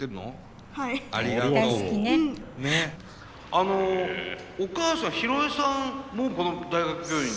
あのお母さんヒロエさんもこの大学病院に。